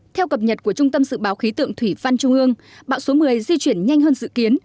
theo cập nhật của trung tâm dự báo khí tượng thủy văn trung ương bão số một mươi di chuyển nhanh hơn dự kiến